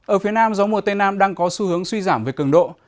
ở phía nam gió mùa tây nam đang có xu hướng suy giảm về cường độ